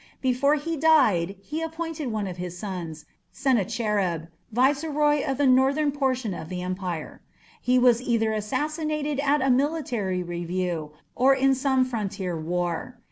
Before he died he appointed one of his sons, Sennacherib, viceroy of the northern portion of the empire. He was either assassinated at a military review or in some frontier war.